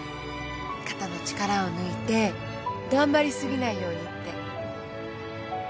肩の力を抜いて頑張り過ぎないようにって。